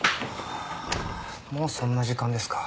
もうそんな時間ですか。